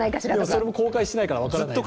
それも公開しないから分からない。